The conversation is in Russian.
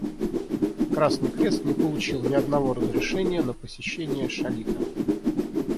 Красный Крест не получил ни одного разрешения на посещение Шалита.